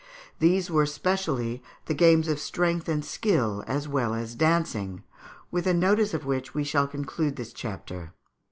These were specially the games of strength and skill as well as dancing, with a notice of which we shall conclude this chapter.